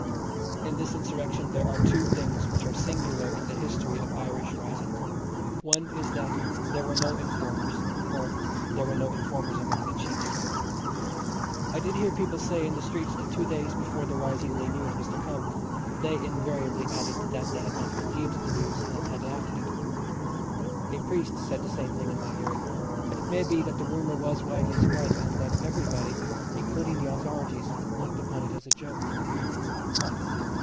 In this insurrection there are two things which are singular in the history of Irish risings. One is that there were no informers, or there were no informers among the chiefs. I did hear people say in the streets that two days before the rising they knew it was to come; they invariably added that they had not believed the news, and had laughed at it. A priest said the same thing in my hearing, and it may be that the rumour was widely spread, and that everybody, including the authorities, looked upon it as a joke.